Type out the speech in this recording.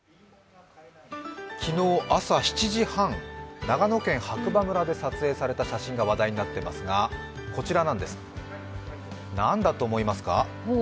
昨日、朝７時半、長野県白馬村で撮影された写真が話題になっていますが、こちらなんです、何だと思いますか？